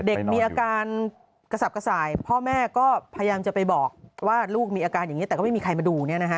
เด็กมีอาการกระสับกระส่ายพ่อแม่ก็พยายามจะไปบอกว่าลูกมีอาการอย่างนี้แต่ก็ไม่มีใครมาดู